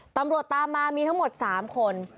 ตำรวจตามมามีทั้งหมด๓คน